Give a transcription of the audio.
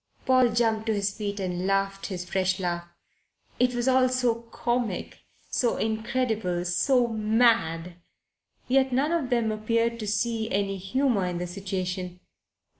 Paul jumped to his feet and laughed his fresh laugh. It was all so comic, so incredible, so mad. Yet none of them appeared to see any humour in the situation.